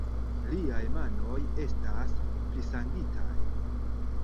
Liaj manoj estas prisangitaj.